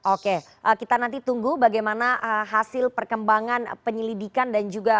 oke kita nanti tunggu bagaimana hasil perkembangan penyelidikan dan juga